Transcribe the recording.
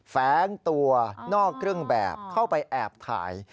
แฟ้งตัวนอกเครื่องแบบเข้าไปแอบถ่าย